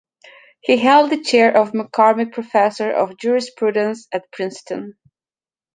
He held the chair of McCormick Professor of Jurisprudence at Princeton.